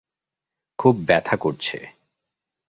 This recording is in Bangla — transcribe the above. খুব ব্যাথা করছে।